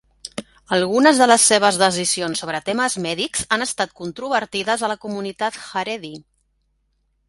Algunes de les seves decisions sobre temes mèdics han estat controvertides a la comunitat Haredi.